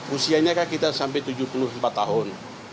usianya kita sampai tujuh puluh empat tahun